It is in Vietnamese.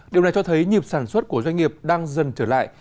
điều này cho thấy nhịp sản xuất của doanh nghiệp đang dần trở lại